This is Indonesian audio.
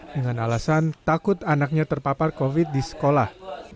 dengan alasan takut anaknya terpapar covid di sekolah